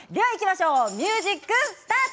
ミュージックスタート。